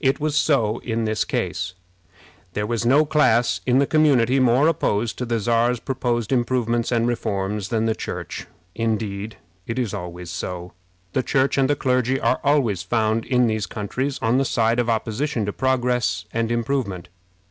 It was so in this case. There was no class in the community more opposed to the Czar's proposed improvements and reforms than the Church. Indeed, it is always so. The Church and the clergy are always found in these countries on the side of opposition to progress and improvement.